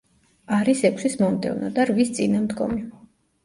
არის ექვსის მომდევნო და რვის წინამდგომი.